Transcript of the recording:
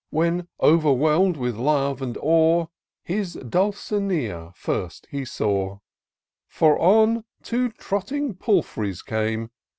When, overwhelm'd with love and awe. His Dulcinea first he saw : For on two trotting palfreys came.